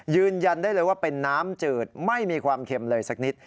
ยืนยันได้เลยว่าเป็นน้ำจืดไม่มีความเค็มเลยสักนิด